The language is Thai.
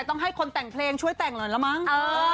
ช่วยแต่งเพลงช่วยแต่งเลยละมั้ง